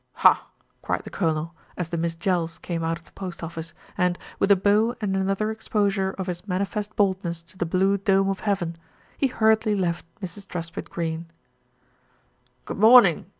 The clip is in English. "Ha!" cried the Colonel, as the Miss Jells came out of the post office and, with a bow and another ex posure of his manifest baldness to the blue dome of heaven, he hurriedly left Mrs. Truspitt Greene. "Good morning!"